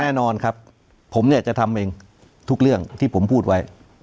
แน่นอนครับผมเนี่ยจะทำเองทุกเรื่องที่ผมพูดไว้